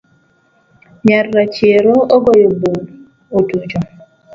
Nyar rachiero ogoyo bul otucho